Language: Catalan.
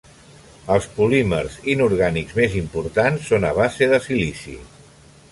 Els polímers inorgànics més importants són a base de silici.